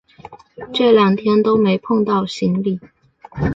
这两天都没碰到行李